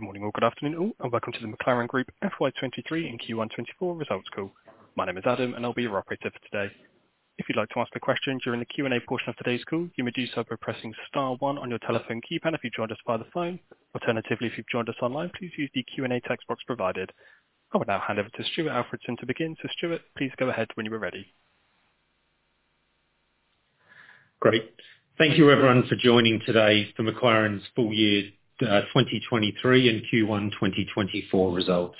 Good morning or good afternoon, all, and welcome to the McLaren Group FY23 and Q1 2024 results call. My name is Adam, and I'll be your operator for today. If you'd like to ask a question during the Q&A portion of today's call, you may do so by pressing star one on your telephone keypad if you joined us via the phone. Alternatively, if you've joined us online, please use the Q&A text box provided. I will now hand over to Stuart Alfredson to begin. So Stuart, please go ahead when you are ready. Great. Thank you, everyone, for joining today for McLaren's Full Year 2023 and Q1 2024 results.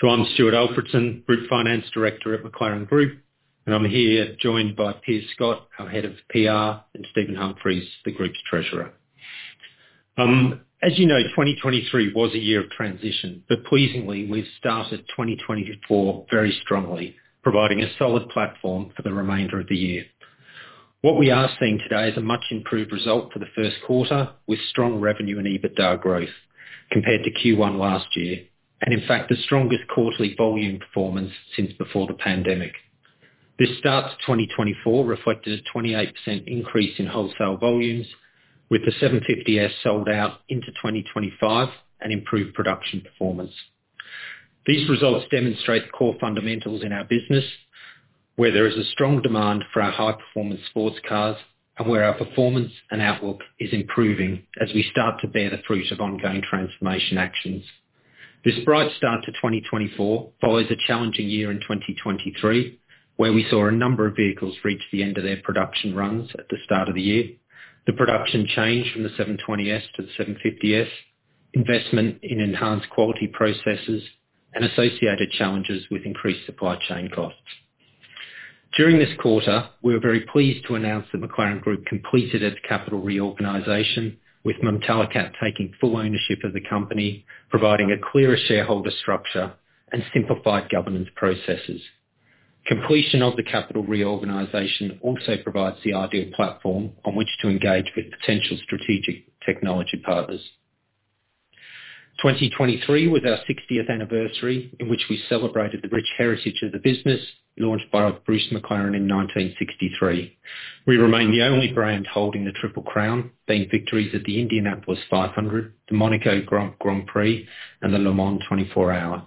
So I'm Stuart Alfredson, Group Finance Director at McLaren Group, and I'm here joined by Piers Scott, our Head of PR, and Stephen Humphreys, the Group's Treasurer. As you know, 2023 was a year of transition, but pleasingly, we've started 2024 very strongly, providing a solid platform for the remainder of the year. What we are seeing today is a much-improved result for the first quarter, with strong revenue and EBITDA growth compared to Q1 last year and, in fact, the strongest quarterly volume performance since before the pandemic. This starts 2024 reflected a 28% increase in wholesale volumes, with the 750S sold out into 2025 and improved production performance. These results demonstrate the core fundamentals in our business, where there is a strong demand for our high-performance sports cars and where our performance and outlook is improving as we start to bear the fruit of ongoing transformation actions. This bright start to 2024 follows a challenging year in 2023, where we saw a number of vehicles reach the end of their production runs at the start of the year, the production change from the 720S to the 750S, investment in enhanced quality processes, and associated challenges with increased supply chain costs. During this quarter, we were very pleased to announce that McLaren Group completed its capital reorganization, with Mumtalakat taking full ownership of the company, providing a clearer shareholder structure, and simplified governance processes. Completion of the capital reorganization also provides the ideal platform on which to engage with potential strategic technology partners. 2023 was our 60th anniversary in which we celebrated the rich heritage of the business launched by Bruce McLaren in 1963. We remain the only brand holding the Triple Crown, being victories at the Indianapolis 500, the Monaco Grand Prix, and the Le Mans 24 Hours.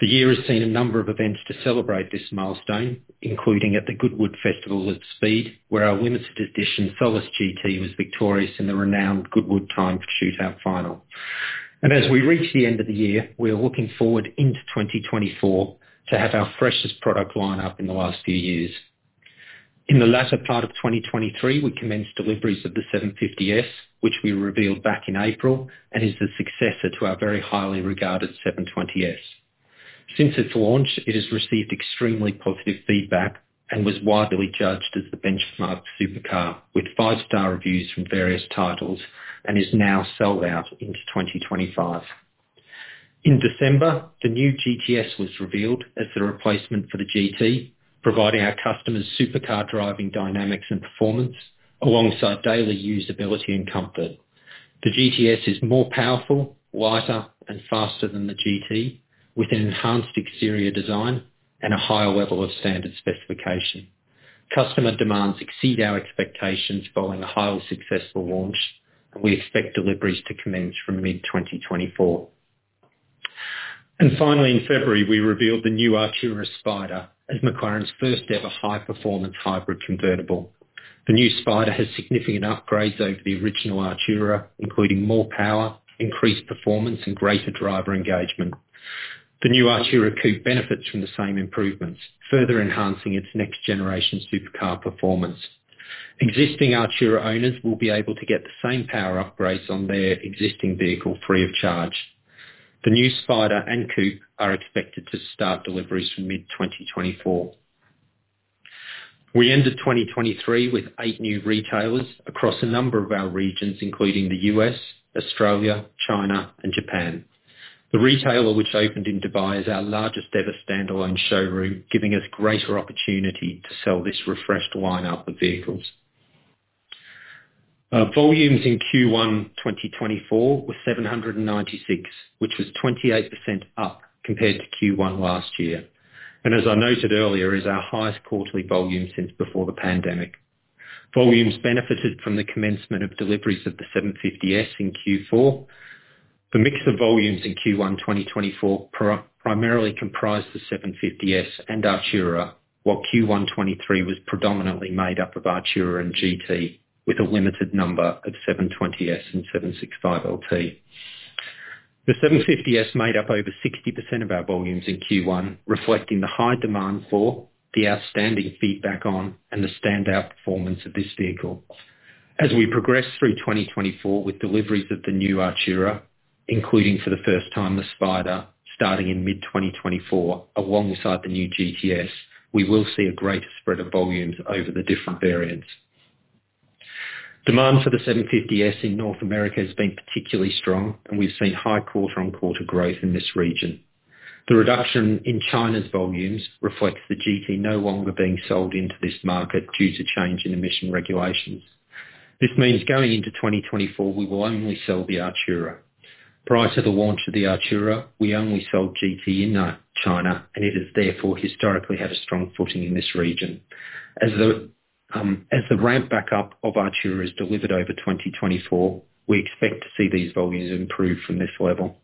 The year has seen a number of events to celebrate this milestone, including at the Goodwood Festival of Speed, where our limited edition Solus GT was victorious in the renowned Goodwood Timed Shootout final. As we reach the end of the year, we are looking forward into 2024 to have our freshest product line up in the last few years. In the latter part of 2023, we commenced deliveries of the 750S, which we revealed back in April and is the successor to our very highly regarded 720S. Since its launch, it has received extremely positive feedback and was widely judged as the benchmark supercar, with five-star reviews from various titles, and is now sold out into 2025. In December, the new GTS was revealed as the replacement for the GT, providing our customers supercar driving dynamics and performance alongside daily usability and comfort. The GTS is more powerful, lighter, and faster than the GT, with an enhanced exterior design and a higher level of standard specification. Customer demands exceed our expectations following a highly successful launch, and we expect deliveries to commence from mid-2024. And finally, in February, we revealed the new Artura Spider as McLaren's first-ever high-performance hybrid convertible. The new Spider has significant upgrades over the original Artura, including more power, increased performance, and greater driver engagement. The new Artura Coupe benefits from the same improvements, further enhancing its next-generation supercar performance. Existing Artura owners will be able to get the same power upgrades on their existing vehicle free of charge. The new Spider and Coupe are expected to start deliveries from mid-2024. We ended 2023 with eight new retailers across a number of our regions, including the U.S., Australia, China, and Japan. The retailer which opened in Dubai is our largest-ever standalone showroom, giving us greater opportunity to sell this refreshed lineup of vehicles. Volumes in Q1 2024 were 796, which was 28% up compared to Q1 last year and, as I noted earlier, is our highest quarterly volume since before the pandemic. Volumes benefited from the commencement of deliveries of the 750S in Q4. The mix of volumes in Q1 2024 primarily comprised the 750S and Artura, while Q1 2023 was predominantly made up of Artura and GT, with a limited number of 720S and 765LT. The 750S made up over 60% of our volumes in Q1, reflecting the high demand for, the outstanding feedback on, and the standout performance of this vehicle. As we progress through 2024 with deliveries of the new Artura, including for the first time the Spider starting in mid-2024 alongside the new GTS, we will see a greater spread of volumes over the different variants. Demand for the 750S in North America has been particularly strong, and we've seen high quarter-on-quarter growth in this region. The reduction in China's volumes reflects the GT no longer being sold into this market due to change in emission regulations. This means going into 2024, we will only sell the Artura. Prior to the launch of the Artura, we only sold GT in, China, and it has therefore historically had a strong footing in this region. As the ramp back up of Artura is delivered over 2024, we expect to see these volumes improve from this level.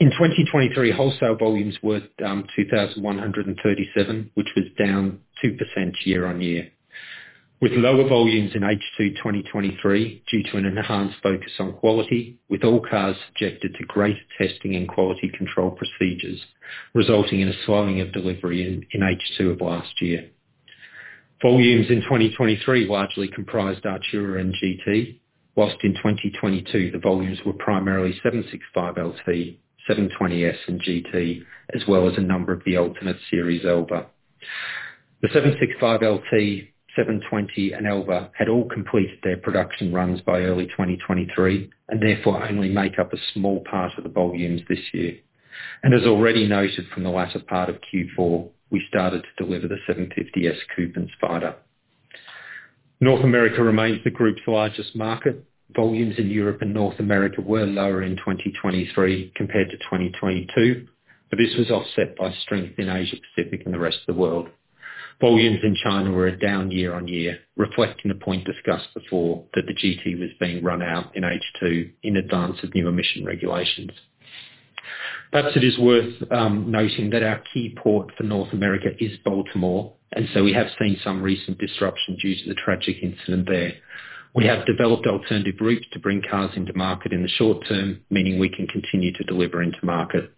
In 2023, wholesale volumes were 2,137, which was down 2% year-on-year, with lower volumes in H2 2023 due to an enhanced focus on quality, with all cars subjected to greater testing and quality control procedures, resulting in a slowing of delivery in H2 of last year. Volumes in 2023 largely comprised Artura and GT, while in 2022, the volumes were primarily 765LT, 720S, and GT, as well as a number of the alternate series Elva. The 765LT, 720, and Elva had all completed their production runs by early 2023 and therefore only make up a small part of the volumes this year. And as already noted from the latter part of Q4, we started to deliver the 750S Coupe and Spider. North America remains the group's largest market. Volumes in Europe and North America were lower in 2023 compared to 2022, but this was offset by strength in Asia-Pacific and the rest of the world. Volumes in China were a down year-on-year, reflecting the point discussed before that the GT was being run out in H2 in advance of new emission regulations. Perhaps it is worth noting that our key port for North America is Baltimore, and so we have seen some recent disruptions due to the tragic incident there. We have developed alternative routes to bring cars into market in the short term, meaning we can continue to deliver into market.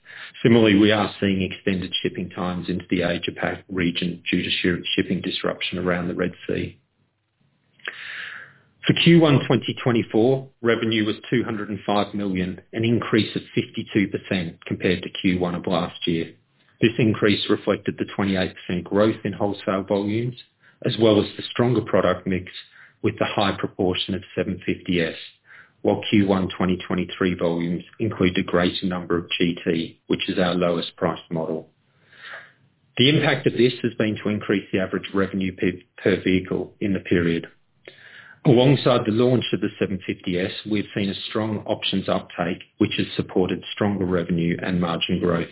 Similarly, we are seeing extended shipping times into the Asia-Pacific region due to shipping disruption around the Red Sea. For Q1 2024, revenue was 205 million, an increase of 52% compared to Q1 of last year. This increase reflected the 28% growth in wholesale volumes as well as the stronger product mix with the high proportion of 750S, while Q1 2023 volumes included a greater number of GT, which is our lowest-priced model. The impact of this has been to increase the average revenue per vehicle in the period. Alongside the launch of the 750S, we've seen a strong options uptake, which has supported stronger revenue and margin growth.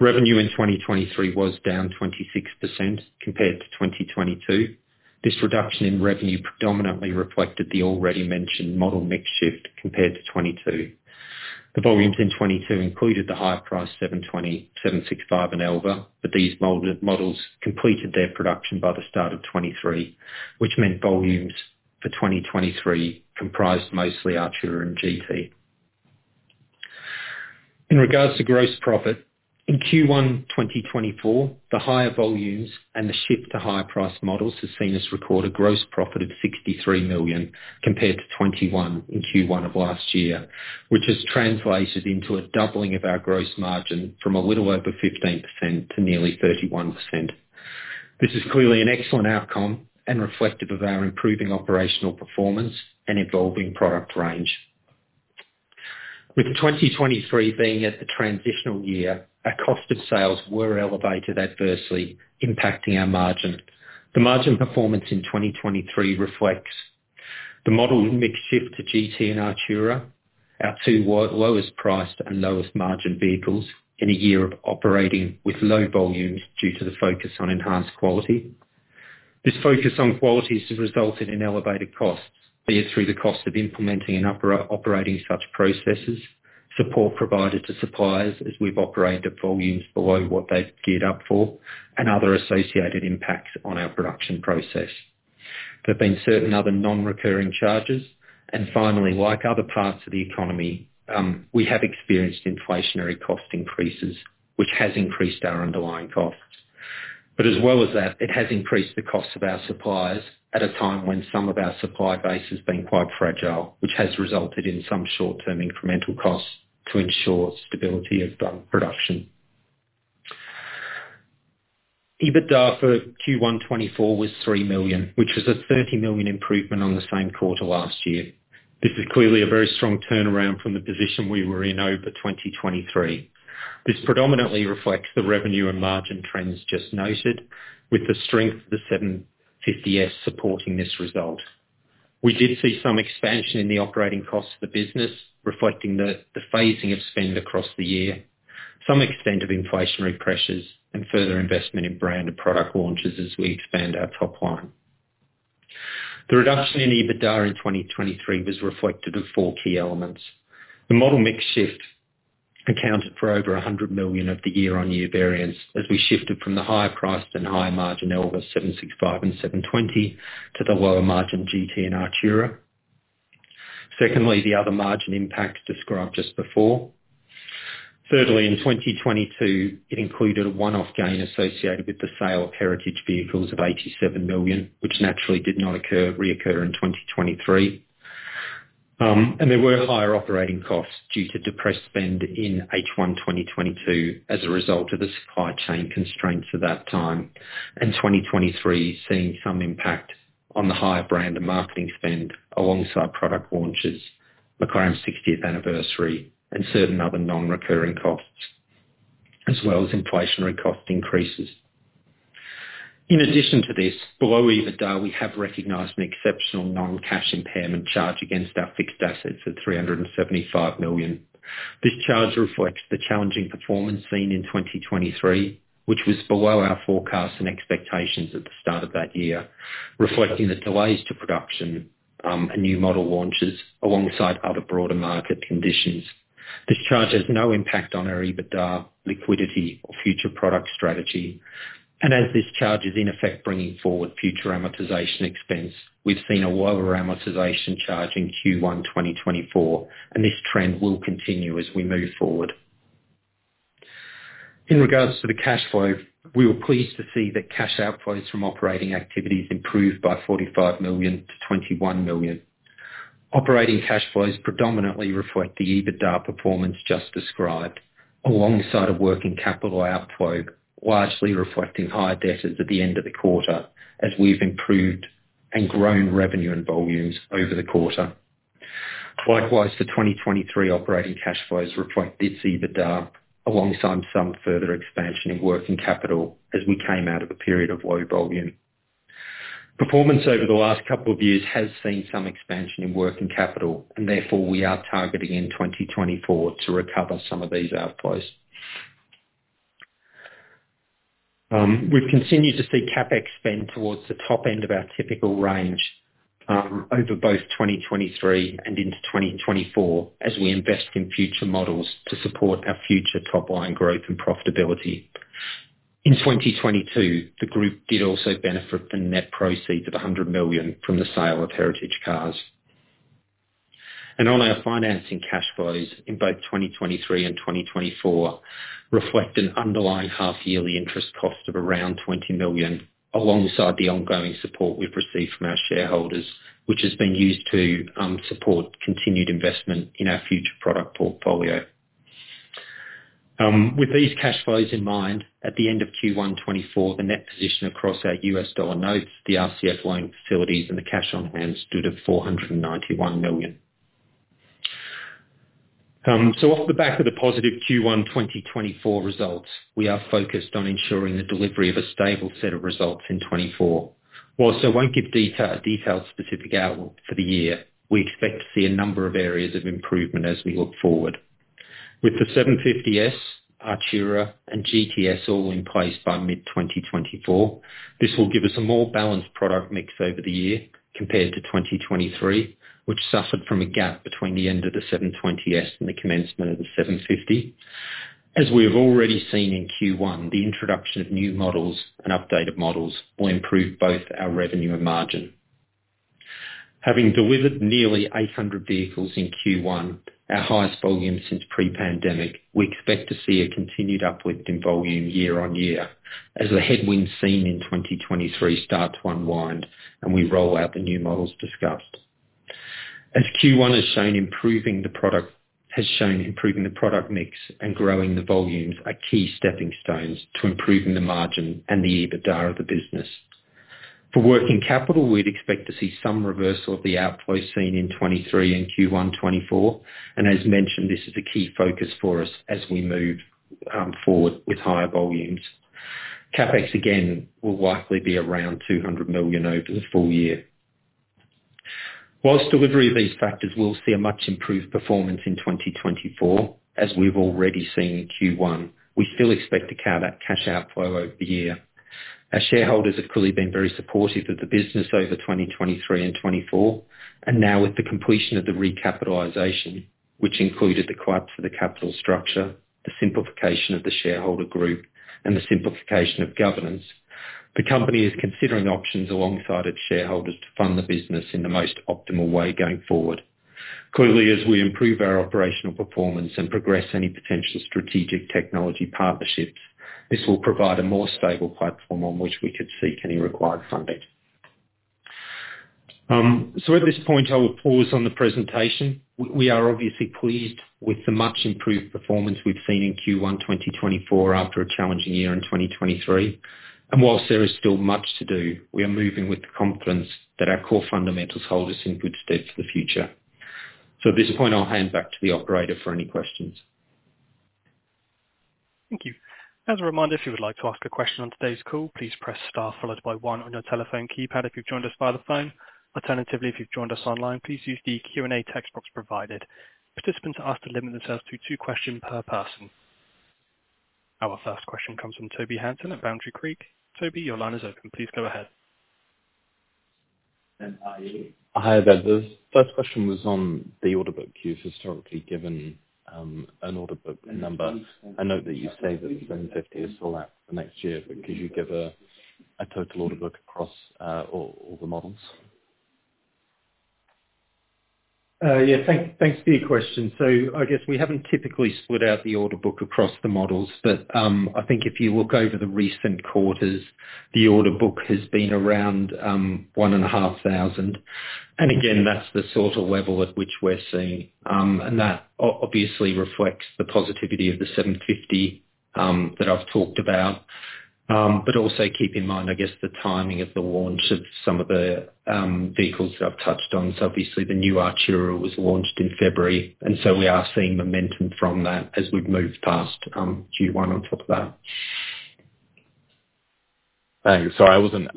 Revenue in 2023 was down 26% compared to 2022. This reduction in revenue predominantly reflected the already mentioned model mix shift compared to 2022. The volumes in 2022 included the higher-priced 720, 765, and Elva, but these limited models completed their production by the start of 2023, which meant volumes for 2023 comprised mostly Artura and GT. In regards to gross profit, in Q1 2024, the higher volumes and the shift to higher-priced models have seen us record a gross profit of 63 million compared to 21 million in Q1 of last year, which has translated into a doubling of our gross margin from a little over 15% to nearly 31%. This is clearly an excellent outcome and reflective of our improving operational performance and evolving product range. With 2023 being at the transitional year, our cost of sales were elevated adversely, impacting our margin. The margin performance in 2023 reflects the model mix shift to GT and Artura, our two lowest-priced and lowest-margin vehicles in a year of operating with low volumes due to the focus on enhanced quality. This focus on quality has resulted in elevated costs, be it through the cost of implementing and operating such processes, support provided to suppliers as we've operated at volumes below what they've geared up for, and other associated impacts on our production process. There have been certain other non-recurring charges. And finally, like other parts of the economy, we have experienced inflationary cost increases, which has increased our underlying costs. But as well as that, it has increased the costs of our suppliers at a time when some of our supply base has been quite fragile, which has resulted in some short-term incremental costs to ensure stability of production. EBITDA for Q1 2024 was 3 million, which was a 30 million improvement on the same quarter last year. This is clearly a very strong turnaround from the position we were in over 2023. This predominantly reflects the revenue and margin trends just noted, with the strength of the 750S supporting this result. We did see some expansion in the operating costs of the business, reflecting the phasing of spend across the year, some extent of inflationary pressures, and further investment in brand and product launches as we expand our top line. The reduction in EBITDA in 2023 was reflective of four key elements. The model mix shift accounted for over 100 million of the year-on-year variance as we shifted from the higher-priced and higher-margin Elva, 765, and 720 to the lower-margin GT and Artura. Secondly, the other margin impacts described just before. Thirdly, in 2022, it included a one-off gain associated with the sale of heritage vehicles of 87 million, which naturally did not recur in 2023. There were higher operating costs due to depressed spend in H1 2022 as a result of the supply chain constraints at that time, and 2023 seeing some impact on the higher brand and marketing spend alongside product launches, McLaren's 60th anniversary, and certain other non-recurring costs, as well as inflationary cost increases. In addition to this, below EBITDA, we have recognized an exceptional non-cash impairment charge against our fixed assets of 375 million. This charge reflects the challenging performance seen in 2023, which was below our forecasts and expectations at the start of that year, reflecting the delays to production, and new model launches alongside other broader market conditions. This charge has no impact on our EBITDA, liquidity, or future product strategy. As this charge is, in effect, bringing forward future amortization expense, we've seen a lower amortization charge in Q1 2024, and this trend will continue as we move forward. In regards to the cash flow, we were pleased to see that cash outflows from operating activities improved by 45 million to 21 million. Operating cash flows predominantly reflect the EBITDA performance just described alongside a working capital outflow, largely reflecting higher debtors at the end of the quarter as we've improved and grown revenue and volumes over the quarter. Likewise, the 2023 operating cash flows reflect this EBITDA alongside some further expansion in working capital as we came out of a period of low volume. Performance over the last couple of years has seen some expansion in working capital, and therefore we are targeting in 2024 to recover some of these outflows. We've continued to see CapEx spend towards the top end of our typical range, over both 2023 and into 2024 as we invest in future models to support our future top-line growth and profitability. In 2022, the group did also benefit from net proceeds of 100 million from the sale of heritage cars. On our financing cash flows in both 2023 and 2024 reflect an underlying half-yearly interest cost of around 20 million alongside the ongoing support we've received from our shareholders, which has been used to support continued investment in our future product portfolio. With these cash flows in mind, at the end of Q1 2024, the net position across our U.S. dollar notes, the RCF loan facilities, and the cash on hand stood at 491 million. Off the back of the positive Q1 2024 results, we are focused on ensuring the delivery of a stable set of results in 2024. While I won't give detailed specific outlook for the year, we expect to see a number of areas of improvement as we look forward. With the 750S, Artura, and GTS all in place by mid-2024, this will give us a more balanced product mix over the year compared to 2023, which suffered from a gap between the end of the 720S and the commencement of the 750. As we have already seen in Q1, the introduction of new models and updated models will improve both our revenue and margin. Having delivered nearly 800 vehicles in Q1, our highest volume since pre-pandemic, we expect to see a continued uplift in volume year-on-year as the headwinds seen in 2023 start to unwind and we roll out the new models discussed. As Q1 has shown improving the product has shown improving the product mix and growing the volumes are key stepping stones to improving the margin and the EBITDA of the business. For working capital, we'd expect to see some reversal of the outflow seen in 2023 and Q1 2024. As mentioned, this is a key focus for us as we move forward with higher volumes. CapEx, again, will likely be around 200 million over the full year. While delivery of these factors will see a much improved performance in 2024 as we've already seen in Q1, we still expect to carry that cash outflow over the year. Our shareholders have clearly been very supportive of the business over 2023 and 2024, and now with the completion of the recapitalization, which included the collapse of the capital structure, the simplification of the shareholder group, and the simplification of governance, the company is considering options alongside its shareholders to fund the business in the most optimal way going forward. Clearly, as we improve our operational performance and progress any potential strategic technology partnerships, this will provide a more stable platform on which we could seek any required funding. So at this point, I will pause on the presentation. We are obviously pleased with the much improved performance we've seen in Q1 2024 after a challenging year in 2023. While there is still much to do, we are moving with the confidence that our core fundamentals hold us in good step for the future. So at this point, I'll hand back to the operator for any questions. Thank you. As a reminder, if you would like to ask a question on today's call, please press star followed by one on your telephone keypad if you've joined us via the phone. Alternatively, if you've joined us online, please use the Q&A text box provided. Participants are asked to limit themselves to two questions per person. Our first question comes from Toby Hanson at Boundary Creek. Toby, your line is open. Please go ahead. And, yeah. Hi, Ben. The first question was on the order book queue, historically given, an order book number. I know that you say that the 750 is sold out for next year, but could you give a, a total order book across, all, all the models? Yeah. Thanks, thanks for the question. So I guess we haven't typically split out the order book across the models, but I think if you look over the recent quarters, the order book has been around 1,500. And again, that's the sort of level at which we're seeing, and that obviously reflects the positivity of the 750 that I've talked about. But also keep in mind, I guess, the timing of the launch of some of the vehicles that I've touched on. So obviously, the new Artura was launched in February, and so we are seeing momentum from that as we've moved past Q1 on top of that. Thank you. Sorry, I wasn't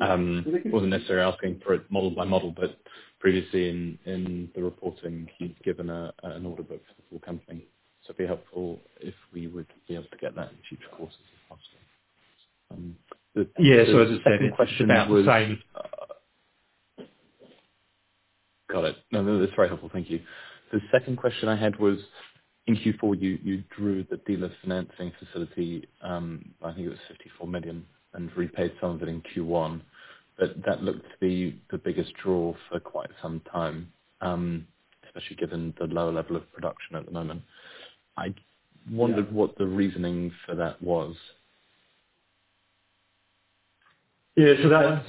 necessarily asking for it model by model, but previously in the reporting, you've given an order book for the full company. So it'd be helpful if we would be able to get that in future quarters if possible. Got it. No, no, that's very helpful. Thank you. The second question I had was in Q4, you drew the dealer financing facility, I think it was 54 million, and repaid some of it in Q1. But that looked to be the biggest draw for quite some time, especially given the lower level of production at the moment. I wondered what the reasoning for that was. Yeah.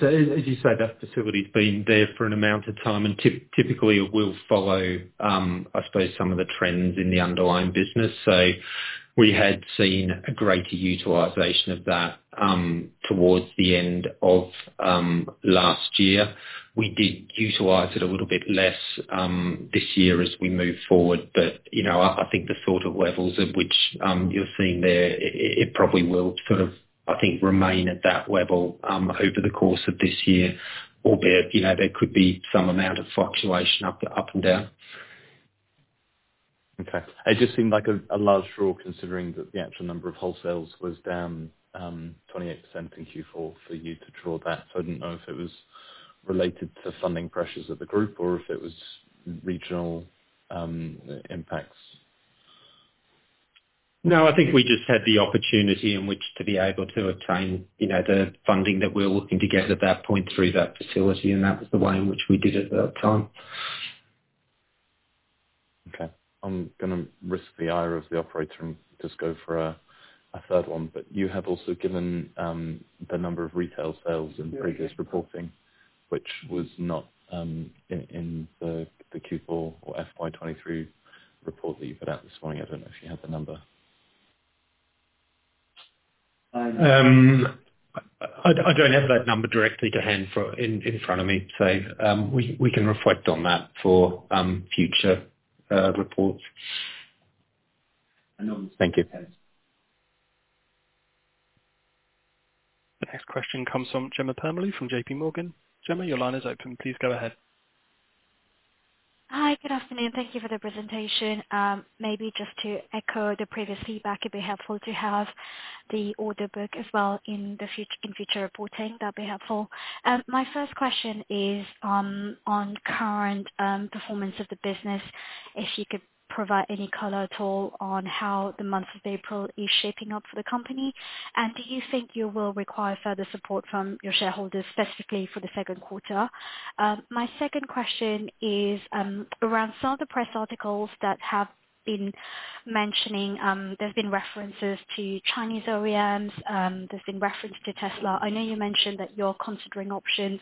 So, as you said, that facility's been there for an amount of time, and typically, it will follow, I suppose, some of the trends in the underlying business. So we had seen a greater utilization of that, towards the end of last year. We did utilize it a little bit less, this year as we move forward. But, you know, I think the sort of levels at which you're seeing there, it probably will sort of, I think, remain at that level over the course of this year, albeit, you know, there could be some amount of fluctuation up, up and down. Okay. It just seemed like a large draw considering that the actual number of wholesales was down 28% in Q4 for you to draw that. So I didn't know if it was related to funding pressures at the group or if it was regional impacts. No, I think we just had the opportunity in which to be able to obtain, you know, the funding that we were looking to get at that point through that facility, and that was the way in which we did it at that time. Okay. I'm gonna risk the eye of the operator and just go for a third one. But you have also given the number of retail sales in previous reporting, which was not in the Q4 or FY 2023 report that you put out this morning. I don't know if you had the number. I don't have that number directly to hand in front of me, so we can reflect on that for future reports. Thank you. The next question comes from Jenna Parmley from JP Morgan. Jenna, your line is open. Please go ahead. Hi. Good afternoon. Thank you for the presentation. Maybe just to echo the previous feedback, it'd be helpful to have the order book as well in the future in future reporting. That'd be helpful. My first question is, on current performance of the business, if you could provide any color at all on how the month of April is shaping up for the company. And do you think you will require further support from your shareholders specifically for the second quarter? My second question is, around some of the press articles that have been mentioning, there's been references to Chinese OEMs. There's been reference to Tesla. I know you mentioned that you're considering options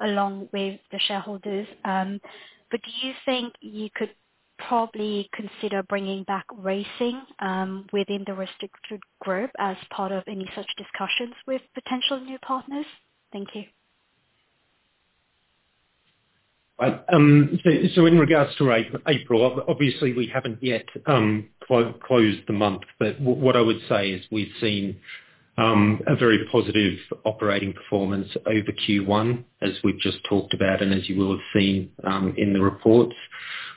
along with the shareholders. But do you think you could probably consider bringing back racing within the restricted group as part of any such discussions with potential new partners? Thank you. Right. So in regards to April, obviously, we haven't yet closed the month. But what I would say is we've seen a very positive operating performance over Q1 as we've just talked about and as you will have seen in the reports.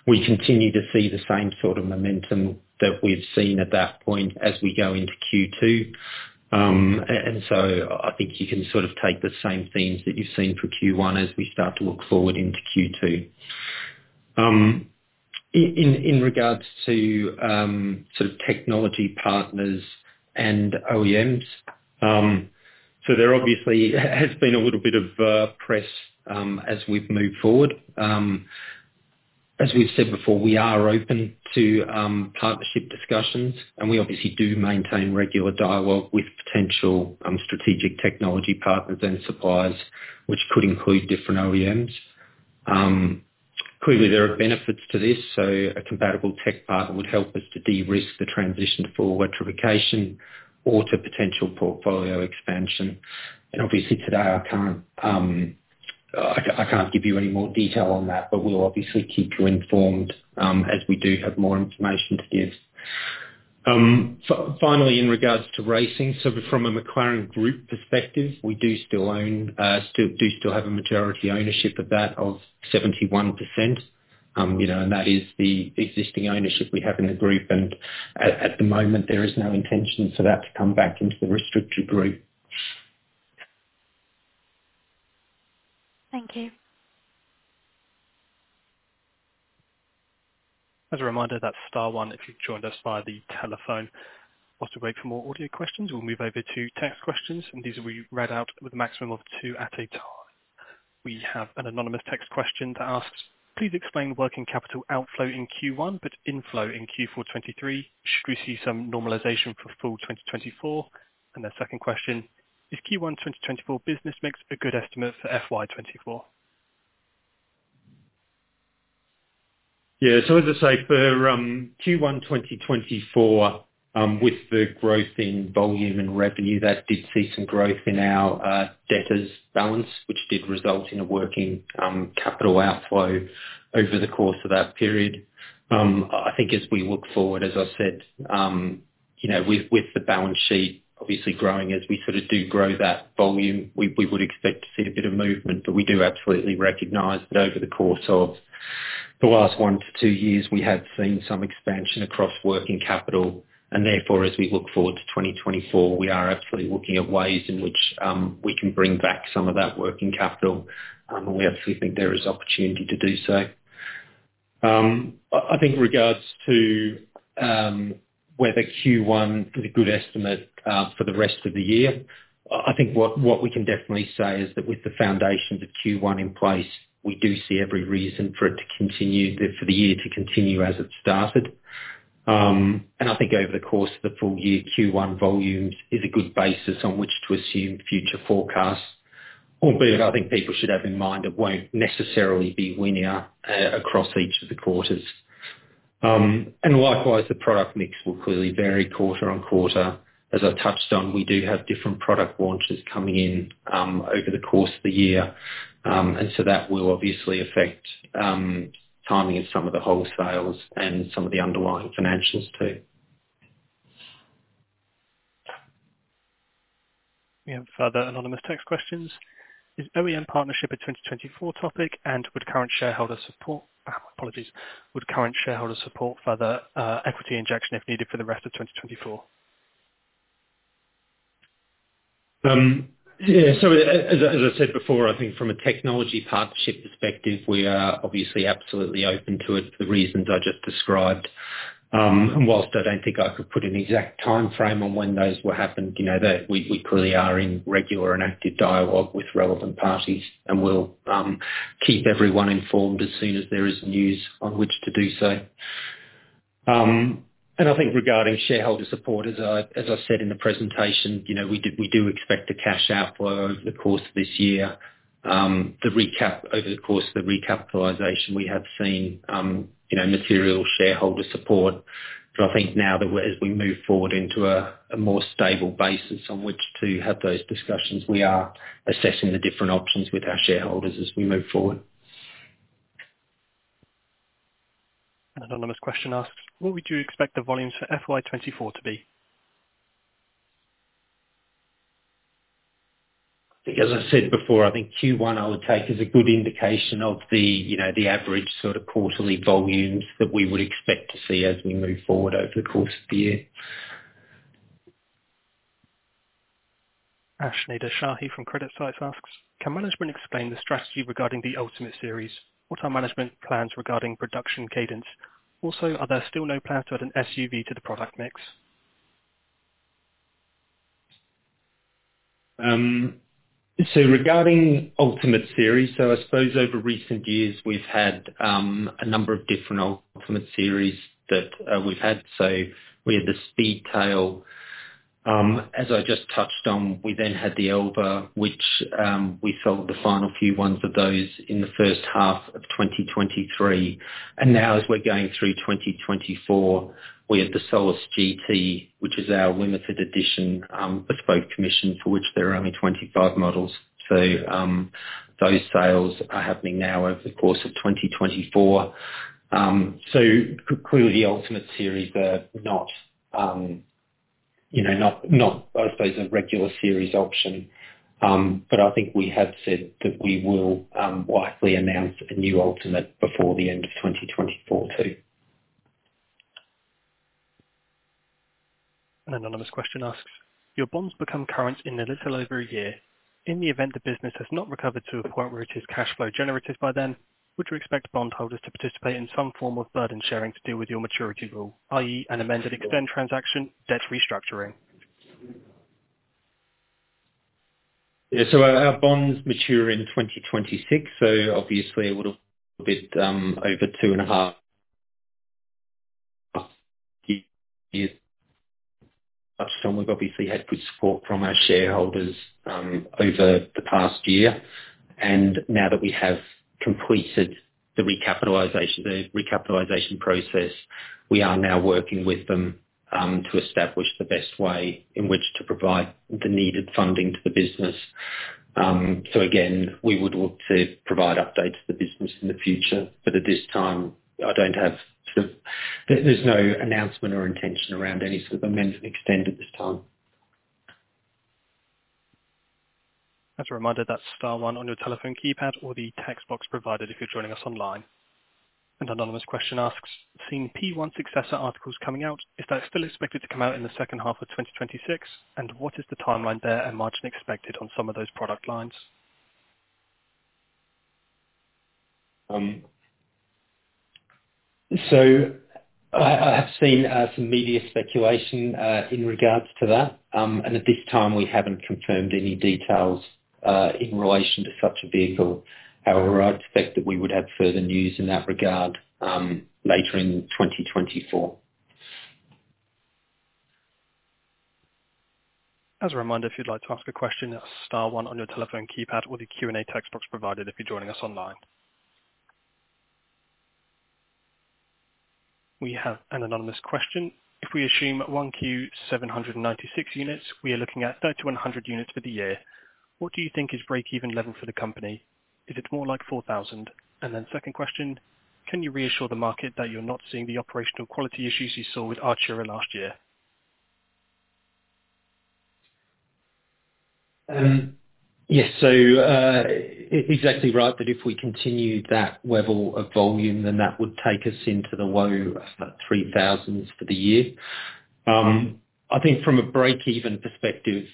We continue to see the same sort of momentum that we've seen at that point as we go into Q2. And so I think you can sort of take the same themes that you've seen for Q1 as we start to look forward into Q2. In regards to sort of technology partners and OEMs, so there obviously has been a little bit of press as we've moved forward. As we've said before, we are open to partnership discussions, and we obviously do maintain regular dialogue with potential strategic technology partners and suppliers, which could include different OEMs. Clearly, there are benefits to this. So a compatible tech partner would help us to de-risk the transition for electrification or to potential portfolio expansion. Obviously, today, I can't give you any more detail on that, but we'll obviously keep you informed, as we do have more information to give. Finally, in regards to racing, so from a McLaren Group perspective, we still have a majority ownership of that of 71%, you know, and that is the existing ownership we have in the group. At the moment, there is no intention for that to come back into the Restricted Group. Thank you. As a reminder, that's star one if you've joined us via the telephone. While we wait for more audio questions, we'll move over to text questions, and these will be read out with a maximum of two at a time. We have an anonymous text question that asks, "Please explain working capital outflow in Q1 but inflow in Q4 2023. Should we see some normalization for full 2024?" And the second question, "Is Q1 2024 business mix a good estimate for FY 2024?" Yeah. So as I say, for Q1 2024, with the growth in volume and revenue, that did see some growth in our debtors balance, which did result in a working capital outflow over the course of that period. I think as we look forward, as I said, you know, with the balance sheet obviously growing, as we sort of do grow that volume, we would expect to see a bit of movement. But we do absolutely recognize that over the course of the last one to two years, we had seen some expansion across working capital. Therefore, as we look forward to 2024, we are absolutely looking at ways in which we can bring back some of that working capital. We absolutely think there is opportunity to do so. I think in regards to whether Q1 is a good estimate for the rest of the year, I think what, what we can definitely say is that with the foundations of Q1 in place, we do see every reason for it to continue the for the year to continue as it started. And I think over the course of the full year, Q1 volumes is a good basis on which to assume future forecasts, albeit I think people should have in mind it won't necessarily be winner across each of the quarters. And likewise, the product mix will clearly vary quarter on quarter. As I touched on, we do have different product launches coming in over the course of the year. And so that will obviously affect timing of some of the wholesales and some of the underlying financials too. We have further anonymous text questions. "Is OEM partnership a 2024 topic, and would current shareholder support?" Apologies. "Would current shareholder support further equity injection if needed for the rest of 2024?" Yeah. So as I said before, I think from a technology partnership perspective, we are obviously absolutely open to it for the reasons I just described. And whilst I don't think I could put an exact timeframe on when those will happen, you know, that we clearly are in regular and active dialogue with relevant parties and will keep everyone informed as soon as there is news on which to do so. I think regarding shareholder support, as I said in the presentation, you know, we do expect a cash outflow over the course of this year. Over the course of the recapitalization, we have seen, you know, material shareholder support. But I think now that we're, as we move forward into a more stable basis on which to have those discussions, we are assessing the different options with our shareholders as we move forward. An anonymous question asks, "What would you expect the volumes for FY 2024 to be?" I think as I said before, I think Q1 I would take as a good indication of the, you know, the average sort of quarterly volumes that we would expect to see as we move forward over the course of the year. Ash Nadershahi from CreditSights asks, "Can management explain the strategy regarding the Ultimate Series? What are management plans regarding production cadence? Also, are there still no plans to add an SUV to the product mix?" So regarding Ultimate Series, so I suppose over recent years, we've had a number of different Ultimate Series that we've had. So we had the Speedtail, as I just touched on. We then had the Elva, which we sold the final few ones of those in the first half of 2023. And now as we're going through 2024, we had the Solus GT, which is our limited edition, bespoke commission for which there are only 25 models. So those sales are happening now over the course of 2024. So clearly, the Ultimate Series are not, you know, I suppose, a regular series option. But I think we have said that we will likely announce a new Ultimate before the end of 2024 too. An anonymous question asks, "Your bonds become current in a little over a year. In the event the business has not recovered to a point where it is cash flow generative by then, would you expect bondholders to participate in some form of burden sharing to do with your maturity rule, i.e., an amend-and-extend transaction debt restructuring?" Yeah. So our, our bonds mature in 2026. So obviously, it would have been over 2.5 years. At the time, we've obviously had good support from our shareholders over the past year. And now that we have completed the recapitalization process, we are now working with them to establish the best way in which to provide the needed funding to the business. So again, we would look to provide updates to the business in the future. But at this time, I don't have sort of there, there's no announcement or intention around any sort of amend-and-extend at this time. As a reminder, that's star one on your telephone keypad or the text box provided if you're joining us online. An anonymous question asks, "Seeing P1 successor articles coming out, is that still expected to come out in the second half of 2026? And what is the timeline there and margin expected on some of those product lines?" So I, I have seen, some media speculation, in regards to that. And at this time, we haven't confirmed any details, in relation to such a vehicle. However, I expect that we would have further news in that regard, later in 2024. As a reminder, if you'd like to ask a question, that's star one on your telephone keypad or the Q&A text box provided if you're joining us online. We have an anonymous question. "If we assume 1Q 796 units, we are looking at 3,100 units for the year. What do you think is break-even level for the company? Is it more like 4,000?" And then second question, "Can you reassure the market that you're not seeing the operational quality issues you saw with Artura last year?" Yes. So, exactly right, that if we continue that level of volume, then that would take us into the low 3,000s for the year. I think from a break-even perspective,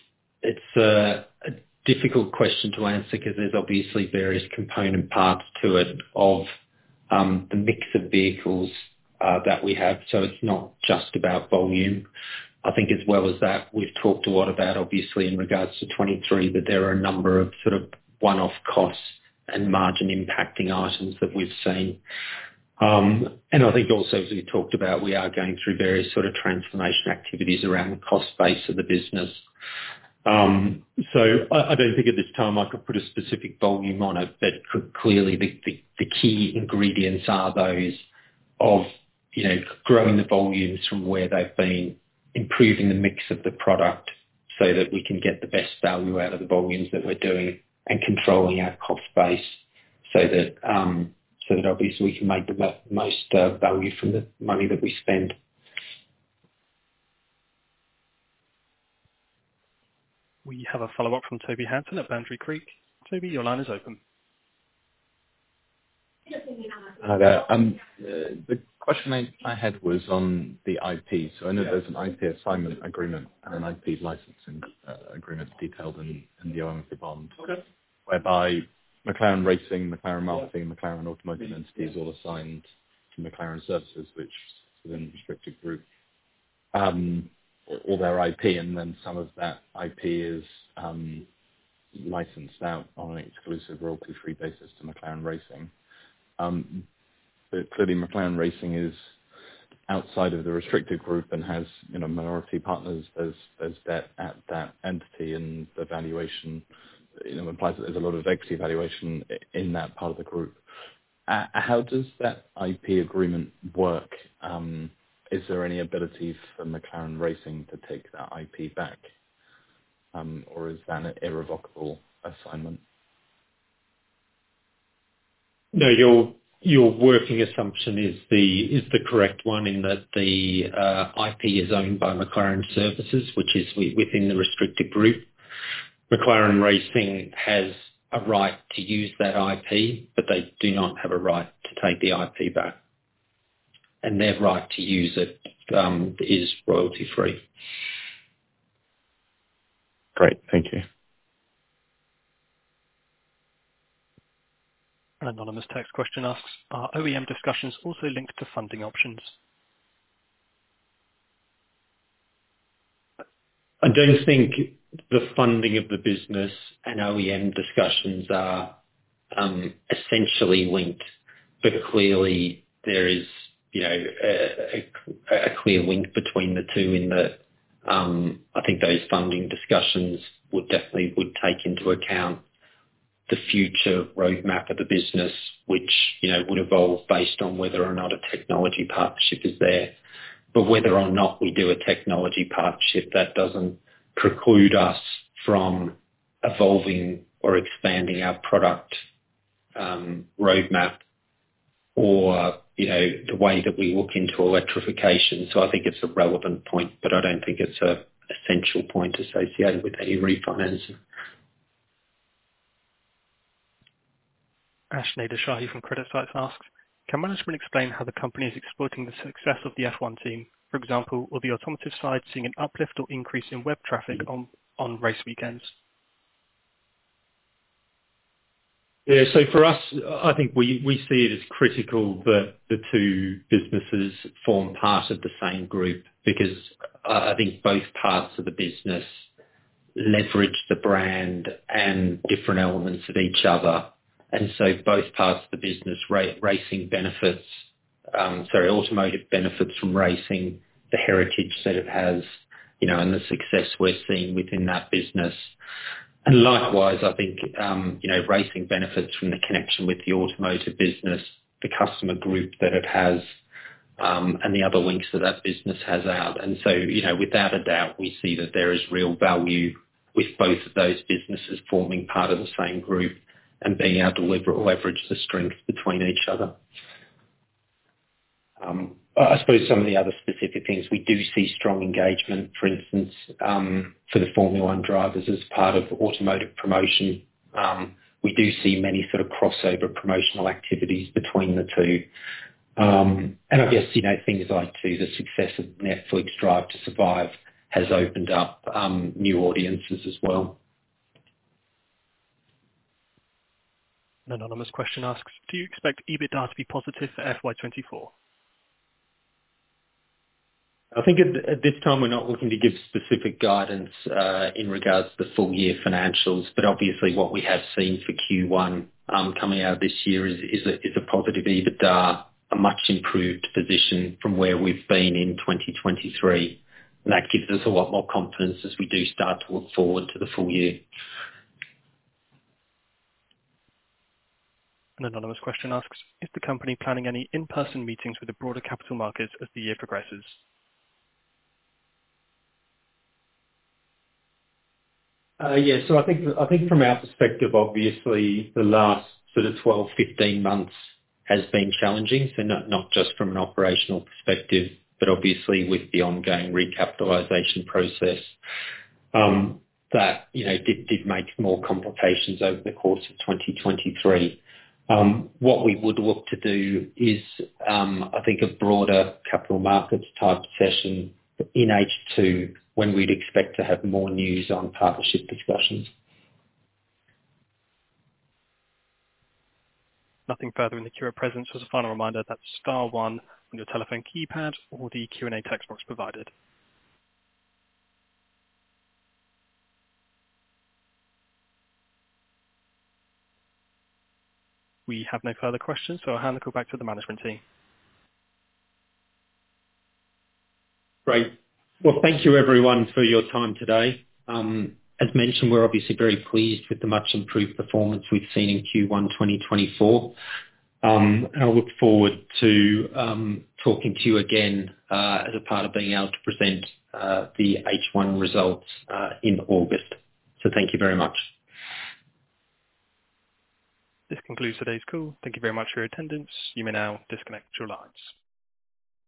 it's a, a difficult question to answer 'cause there's obviously various component parts to it of, the mix of vehicles, that we have. So it's not just about volume. I think as well as that, we've talked a lot about, obviously, in regards to 2023, that there are a number of sort of one-off costs and margin impacting items that we've seen. And I think also, as we talked about, we are going through various sort of transformation activities around the cost base of the business. So I, I don't think at this time I could put a specific volume on it. But clearly, the, the, the key ingredients are those of, you know, growing the volumes from where they've been, improving the mix of the product so that we can get the best value out of the volumes that we're doing and controlling our cost base so that, so that obviously, we can make the most value from the money that we spend. We have a follow-up from Toby Hanson at Boundary Creek. Toby, your line is open. Hi there. The question I had was on the IP. So I know there's an IP assignment agreement and an IP licensing agreement detailed in the OM for the bond. Okay. Whereby McLaren Racing, McLaren Marketing, McLaren Automotive Entities all assigned to McLaren Services, which is within the Restricted Group, all their IP. And then some of that IP is licensed out on an exclusive royalty-free basis to McLaren Racing. But clearly, McLaren Racing is outside of the Restricted Group and has, you know, minority partners. There's debt at that entity, and the valuation, you know, implies that there's a lot of equity valuation in that part of the group. How does that IP agreement work? Is there any ability for McLaren Racing to take that IP back, or is that an irrevocable assignment? No, your working assumption is the correct one in that the IP is owned by McLaren Services, which is within the Restricted Group. McLaren Racing has a right to use that IP, but they do not have a right to take the IP back. And their right to use it is royalty-free. Great. Thank you. An anonymous text question asks, "Are OEM discussions also linked to funding options?" I don't think the funding of the business and OEM discussions are essentially linked. But clearly, there is, you know, a clear link between the two in that I think those funding discussions would definitely take into account the future roadmap of the business, which, you know, would evolve based on whether or not a technology partnership is there. But whether or not we do a technology partnership, that doesn't preclude us from evolving or expanding our product roadmap or, you know, the way that we look into electrification. So I think it's a relevant point, but I don't think it's an essential point associated with any refinancing. Ash Nadershahi from CreditSights asks, "Can management explain how the company is exploiting the success of the F1 team? For example, will the automotive side see an uplift or increase in web traffic on, on race weekends?" Yeah. So for us, I think we, we see it as critical that the two businesses form part of the same group because I think both parts of the business leverage the brand and different elements of each other. And so both parts of the business, racing benefits, sorry, automotive benefits from racing, the heritage that it has, you know, and the success we're seeing within that business. And likewise, I think, you know, racing benefits from the connection with the automotive business, the customer group that it has, and the other links that that business has out. And so, you know, without a doubt, we see that there is real value with both of those businesses forming part of the same group and being able to leverage the strengths between each other. I suppose some of the other specific things, we do see strong engagement, for instance, for the Formula One drivers as part of automotive promotion. We do see many sort of crossover promotional activities between the two. I guess, you know, things like too, the success of Netflix Drive to Survive has opened up new audiences as well. An anonymous question asks, "Do you expect EBITDA to be positive for FY 2024?" I think at this time, we're not looking to give specific guidance in regards to the full-year financials. But obviously, what we have seen for Q1 coming out of this year is a positive EBITDA, a much improved position from where we've been in 2023. And that gives us a lot more confidence as we do start to look forward to the full year. An anonymous question asks, "Is the company planning any in-person meetings with the broader capital markets as the year progresses?" Yeah. So I think from our perspective, obviously, the last sort of 12-15 months has been challenging. So not just from an operational perspective, but obviously, with the ongoing recapitalization process, that, you know, did make more complications over the course of 2023. What we would look to do is, I think, a broader capital markets type session in H2 when we'd expect to have more news on partnership discussions. Nothing further in the queue at present. So as a final reminder, that's star one on your telephone keypad or the Q&A text box provided. We have no further questions. So I'll hand the call back to the management team. Great. Well, thank you, everyone, for your time today. As mentioned, we're obviously very pleased with the much improved performance we've seen in Q1 2024. And I look forward to talking to you again as a part of being able to present the H1 results in August. So thank you very much. This concludes today's call. Thank you very much for your attendance. You may now disconnect your lines.